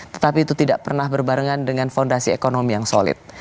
tetapi itu tidak pernah berbarengan dengan fondasi ekonomi yang solid